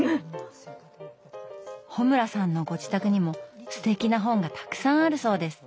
穂村さんのご自宅にもすてきな本がたくさんあるそうです。